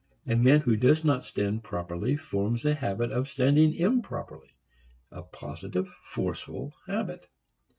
A man who does not stand properly forms a habit of standing improperly, a positive, forceful habit.